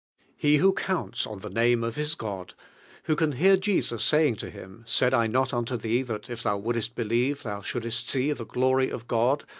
He who counts on the name of his God, who can hear Jeans saying to him, ""Said T not unto thee that if thou wouldest be lieve thou shouldest see the glory or God?"